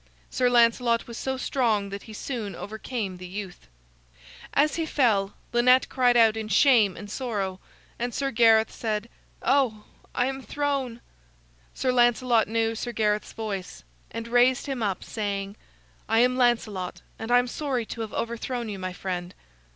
Sir Lancelot was so strong that he soon overcame the youth. As he fell, Lynette cried out in shame and sorrow, and Sir Gareth said: "Oh, I am thrown." Sir Lancelot knew Sir Gareth's voice, and raised him up, saying: "I am Lancelot, and I am sorry to have overthrown you, my friend."